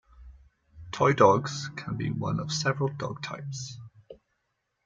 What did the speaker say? "Toy dogs" can be one of several dog types.